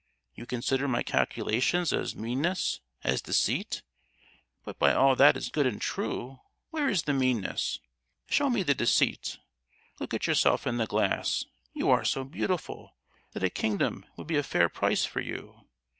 You consider my calculations as meanness, as deceit; but, by all that is good and true, where is the meanness? Show me the deceit. Look at yourself in the glass: you are so beautiful, that a kingdom would be a fair price for you!